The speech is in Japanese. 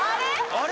あれ？